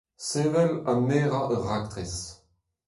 Sevel ha merañ ur raktres.